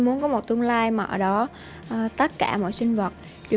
hơn là một năm của kinh tế